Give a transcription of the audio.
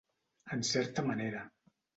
En certa manera.